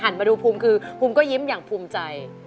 มาดูภูมิคือภูมิก็ยิ้มอย่างภูมิใจ